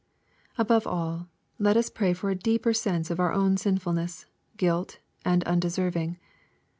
Above all, let us pray for a deeper sense of our own sinfulness, guilt, and undeserving.